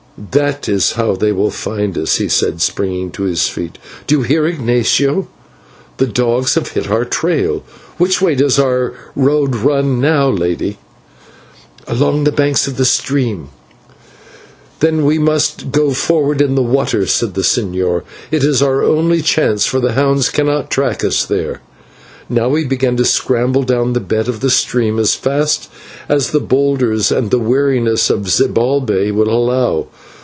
"That is how they will find us," he said, springing to his feet. "Do you hear, Ignatio? The dogs have hit our trail. Which way does our road run now, lady?" "Along the banks of this stream." "Then we must go forward in the water," said the señor, "it is our only chance, for the hounds cannot track us there." Now we began to scramble down the bed of the stream as fast as the boulders and the weariness of Zibalbay would allow.